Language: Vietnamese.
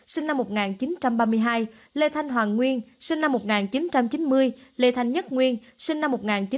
sinh năm một nghìn chín trăm ba mươi hai lê thanh hoàng nguyên sinh năm một nghìn chín trăm chín mươi lê thanh nhất nguyên sinh năm một nghìn chín trăm chín mươi